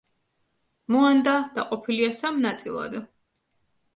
მოანდა დაყოფილია სამ ნაწილად.